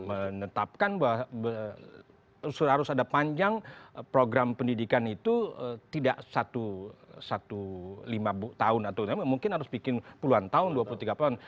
menetapkan bahwa harus ada panjang program pendidikan itu tidak satu lima tahun atau mungkin harus bikin puluhan tahun dua puluh tiga tahun